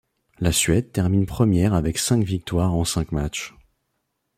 La Suède termine première avec cinq victoires en cinq matches.